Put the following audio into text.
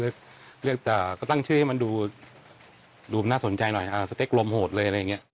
เลือกแต่ก็ตั้งชื่อให้มันดูน่าสนใจหน่อยสเต็กลมโหดเลยอะไรอย่างนี้